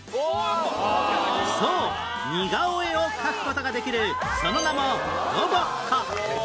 そう似顔絵を描く事ができるその名もロボッ子